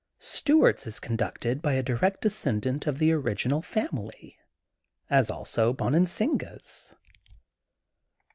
Stuart's is conducted by a direct descendant of the origi nal family, as also Bonansinga's.